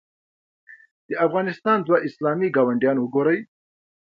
د افغانستان دوه اسلامي ګاونډیان وګورئ.